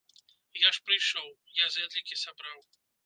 Я ж прыйшоў, я зэдлікі сабраў.